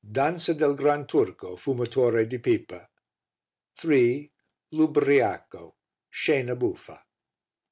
Dansa del Gran Turco, fumatore di pipa. 3. L'Ubbriaco. Scena buffa.